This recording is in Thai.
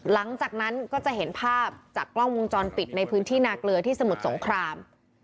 หลังจากนั้นก็จะเห็นภาพจากกล้องวงจรปิดในพื้นที่นาเกลือที่สมุทรสงคราม